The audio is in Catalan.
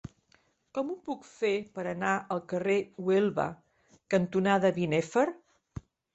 Com ho puc fer per anar al carrer Huelva cantonada Binèfar?